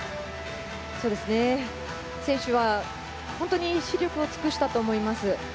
選手は、本当に死力を尽くしたと思います。